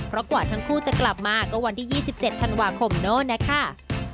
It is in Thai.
เพราะกว่าทั้งคู่จะกลับมาก็วันที่๒๗ธันวาคมโน้นนะคะ